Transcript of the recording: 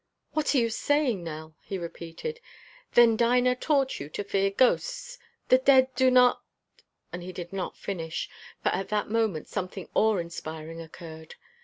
"What are you saying, Nell?" he repeated. "Then Dinah taught you to fear ghosts The dead do not " And he did not finish, for at that moment something awe inspiring occurred.